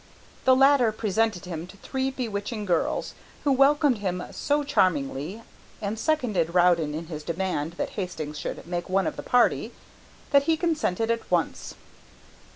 The latter presented him to three bewitching girls who welcomed him so charmingly and seconded Rowden in his demand that Hastings should make one of the party, that he consented at once.